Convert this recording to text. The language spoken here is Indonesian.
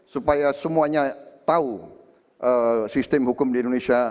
supaya semuanya tahu sistem hukum di indonesia